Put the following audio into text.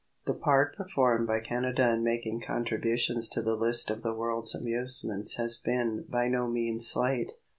* The part performed by Canada in making contributions to the list of the world's amusements has been by no means slight.